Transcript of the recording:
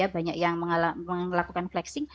banyak yang melakukan flexing